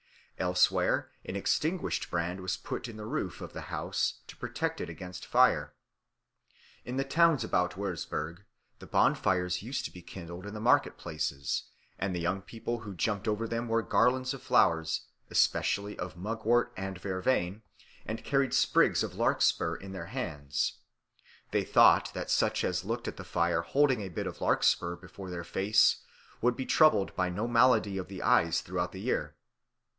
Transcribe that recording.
Elsewhere an extinguished brand was put in the roof of the house to protect it against fire. In the towns about Würzburg the bonfires used to be kindled in the market places, and the young people who jumped over them wore garlands of flowers, especially of mugwort and vervain, and carried sprigs of larkspur in their hands. They thought that such as looked at the fire holding a bit of larkspur before their face would be troubled by no malady of the eyes throughout the year.